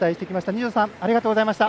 二條さんありがとうございました。